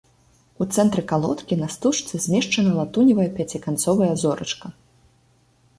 У цэнтры калодкі на стужцы змешчана латуневая пяціканцовая зорачка.